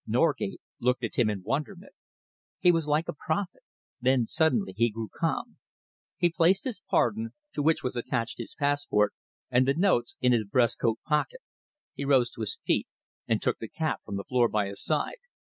Norgate looked at him in wonderment. He was like a prophet; then suddenly he grew calm. He placed his pardon, to which was attached his passport, and the notes, in his breast coat pocket. He rose to his feet and took the cap from the floor by his side.